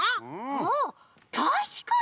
あったしかに。